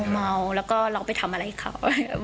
เมาแล้วก็เราไปทำอะไรเขา